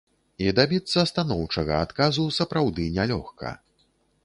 І дабіцца станоўчага адказу сапраўды нялёгка.